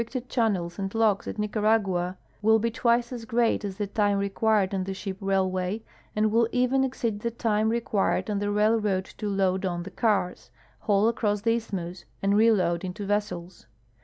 The time in transit through the restricted channels and locks at Nicaragua will be twice as great as the time I'equired on the ship railway, and will eyen exceed the time required on the railroad to load on the ears, haul across the isth mus, and reload into yessels.